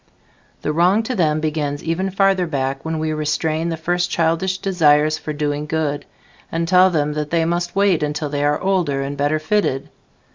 The wrong to them begins even farther back, when we restrain the first childish desires for "doing good", and tell them that they must wait until they are older and better fitted.